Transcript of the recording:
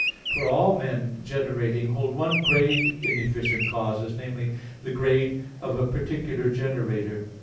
For all men generating hold one grade in efficient causes viz. the grade of a particular generator.